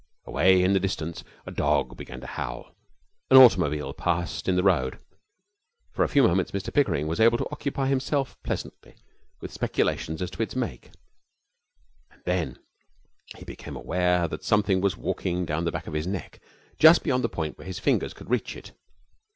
Away in the distance a dog began to howl. An automobile passed in the road. For a few moments Mr Pickering was able to occupy himself pleasantly with speculations as to its make; and then he became aware that something was walking down the back of his neck just beyond the point where his fingers could reach it.